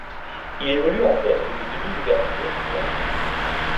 Il évolue en poste de demi d'ouverture ou arrière.